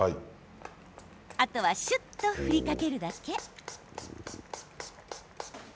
あとは、しゅっと振りかけるだけ。